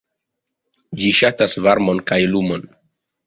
Ĝi ŝatas varmon kaj lumon.